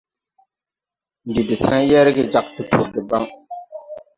Ndi de say yerge jāg tupuri deban.